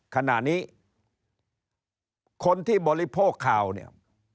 ขณะนี้คนที่บริโภคข่าวเนี่ย